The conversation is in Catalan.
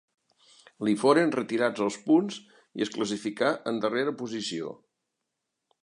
Li foren retirats els punts i es classificà en darrera posició.